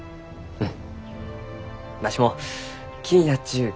うん。